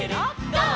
ゴー！」